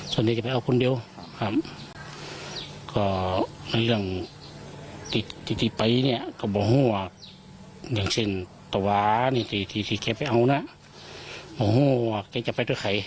สวัสดีครับคุณเดียวครับก็ในเรื่องที่ที่ไปเนี่ยก็บอกว่าอย่างเช่นตะวะนี่ที่ที่แกไปเอานะบอกว่าแกจะไปด้วยใคร